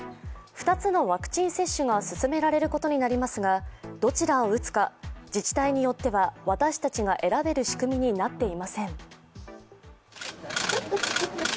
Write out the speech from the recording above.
２つのワクチン接種が進められることになりますが、どちらを打つか自治体によっては私たちが選べる仕組みになっていません。